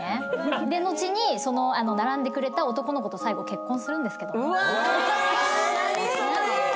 後に並んでくれた男の子と最後結婚するんですけど。